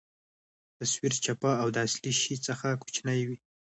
تصویر چپه او د اصلي شي څخه کوچنۍ وي.